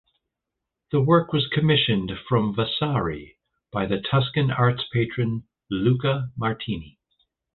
The work was commissioned from Vasari by the Tuscan arts patron Luca Martini.